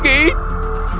aku akan mengampunimu lari